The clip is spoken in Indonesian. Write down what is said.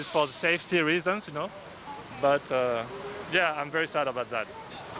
tapi ya saya sangat sedih dengan itu